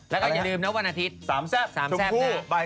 แล้วก็อย่าลืมนะวันอาทิตย์